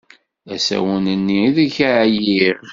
Asawen-nni ideg ɛyiɣ.